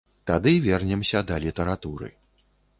Тады вернемся да літаратуры.